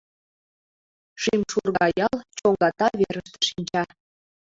Шимшурга ял чоҥгата верыште шинча.